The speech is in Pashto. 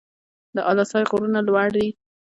د اله سای غرونه لوړ دي